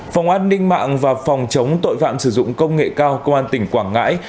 phòng an ninh mạng và phòng chống tội phạm sử dụng công nghệ cao công an tỉnh quảng ngãi